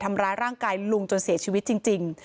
ทำร้ายร่างกายลุงจนเสียชีวิตจริง